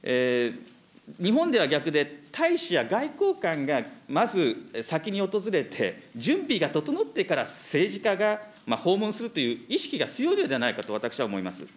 日本では逆で、大使や外交官がまず先に訪れて、準備が整ってから政治家が訪問するという意識が強いのではないかと私は思います。